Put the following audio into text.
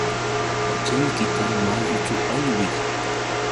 Pachaykita mayućhu aywiy.